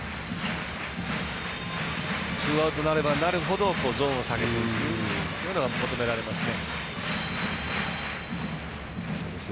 ツーアウトになればなるほどゾーンを下げていくというのが求められますね。